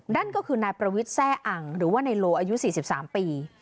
นั่นก็คือนายประวิทย์แซ่อังหรือว่านายโลอายุ๔๓ปี